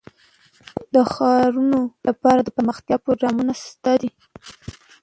د ښارونو لپاره دپرمختیا پروګرامونه شته دي.